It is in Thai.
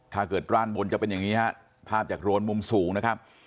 กร่านบนจะเป็นอย่างนี้ฮะภาพจากโรนมุมสูงนะครับ